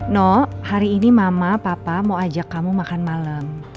no hari ini mama papa mau ajak kamu makan malam